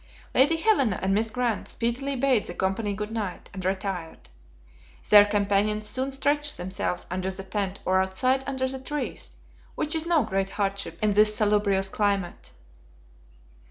Lady Helena and Miss Grant speedily bade the company good night, and retired. Their companions soon stretched themselves under the tent or outside under the trees, which is no great hardship in this salubrious climate.